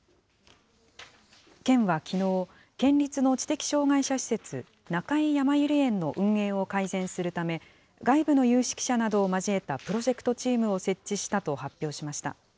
県はきのう、県立の知的障害者施設、中井やまゆり園の運営を改善するため、外部の有識者などを交えたプロジェクトチームを設置したと発表しました。